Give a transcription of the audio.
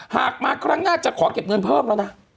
หากมาครั้งหน้าจะขอเก็บเงินเพิ่มแล้วนะ